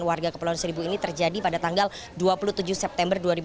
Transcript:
warga kepulauan seribu ini terjadi pada tanggal dua puluh tujuh september dua ribu dua puluh